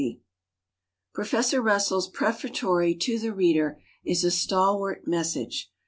Professor Russell's prefatory "To the Reader" is a stalwart message.